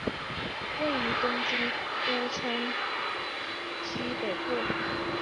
位于东京都品川区北部。